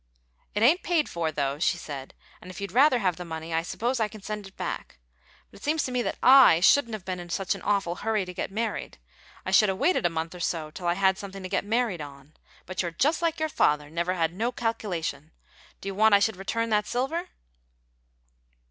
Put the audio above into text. "It ain't paid for, though," she added; "and if you'd rather have the money, I suppose I can send it back. But seems to me I shouldn't have been in such an awful hurry to git married; I should 'a' waited a month or so, till I had something to git married on. But you're just like your father never had no calculation. Do you want I should return that silver?"